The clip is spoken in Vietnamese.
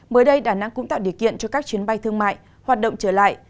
mới đây đà nẵng cũng tạo điều kiện cho các chuyến bay thương mại hoạt động trở lại